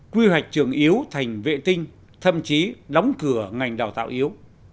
quy hoạch trường yếu thành vệ tinh thậm chí đóng cửa ngành đào tạo yếu